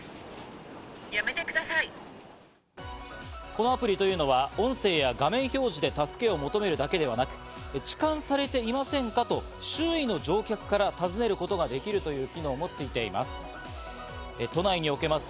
このアプリというのは音声や画面表示で助けを求めるだけではなく、痴漢されていませんか？と周囲の乗客から尋ねることができるという機能もついています。